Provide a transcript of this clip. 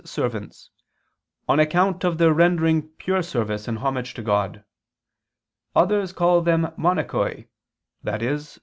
servants, "on account of their rendering pure service and homage to God; others call them monachoi" [*i.e.